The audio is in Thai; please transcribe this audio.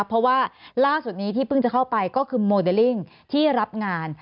เพราะว่าล่าสุดนี้ที่เพิ่งจะเข้าไปก็คือโมเดลลิ่งที่รับงาน